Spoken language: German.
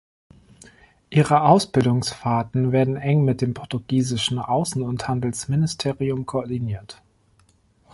Ihre Ausbildungsfahrten werden eng mit dem portugiesischen Außen- und Handelsministerium koordiniert.